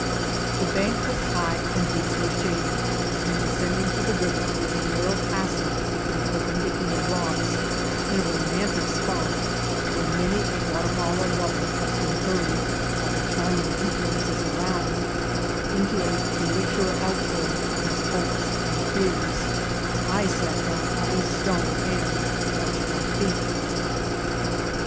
The bank was high and beautifully shaded, and, descending to the river through a narrow passage between perpendic ular rocks, in a romantic spot, where many a Guatimala lover has been hurried, by the charming influences around, into a premature outpouring of his hopes and fears, I sat down on a stone and washed my feet.